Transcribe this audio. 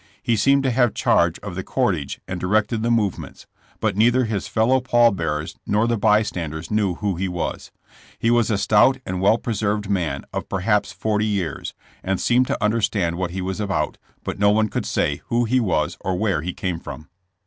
He seemed to have charge of the cortege and directed the movements, but neither his fellow pall bearers nor the bystanders knew who he was. He was a stout and well pre served man, of perhaps forty years, and seemed to understand what he was about, but no one could say who he was or where he came from.